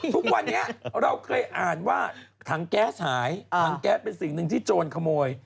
ทุกวันนี้เราเคยอ่านว่าถังแก๊สหายถังแก๊สเป็นสิ่งหนึ่งที่โจรขโมย